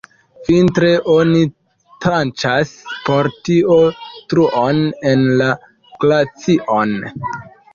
Vintre oni tranĉas por tio truon en la glacion.